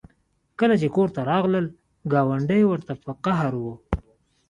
کله چې کور ته راغلل ګاونډۍ ورته په قهر وه